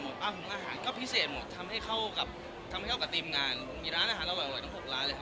หมดผู้อาหารก็พิเศษหมดทำให้เข้ากับทำไมแอบอาหารอร่อยต้องกราคา